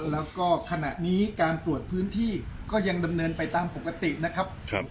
แล้วก็ขณะนี้การตรวจพื้นที่ก็ยังดำเนินไปตามปกตินะครับ